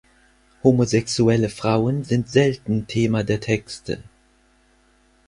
Homosexuelle Frauen sind selten Thema der Texte.